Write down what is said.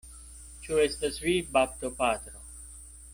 Ĉu estas vi, baptopatro?